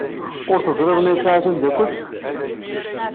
Ur teẓriḍ ma yesɛa tameddakelt?